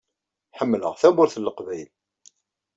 Ḥemmleɣ Tamurt n Leqbayel.